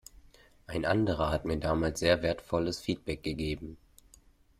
Ein anderer hat mir damals sehr wertvolles Feedback gegeben.